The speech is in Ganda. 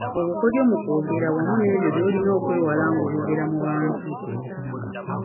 Obukodyo mu kwogera wamu n’ebyo by’olina okwewala ng’oyogera mu bantu.